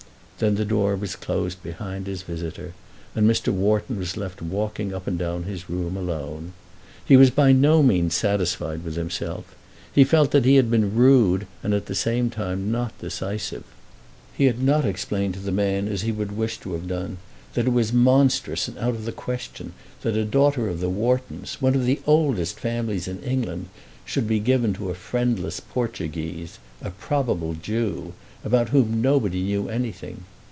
Then the door was closed behind his visitor, and Mr. Wharton was left walking up and down his room alone. He was by no means satisfied with himself. He felt that he had been rude and at the same time not decisive. He had not explained to the man as he would wish to have done, that it was monstrous and out of the question that a daughter of the Whartons, one of the oldest families in England, should be given to a friendless Portuguese, a probable Jew, about whom nobody knew anything.